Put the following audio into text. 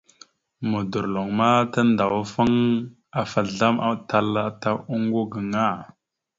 Modorloŋ ma tandawafaŋ afa azlam atal ata oŋgo gaŋa.